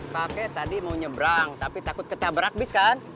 kakek tadi mau ngebrang tapi takut ketabrak bis kan